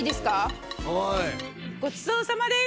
ごちそうさまです！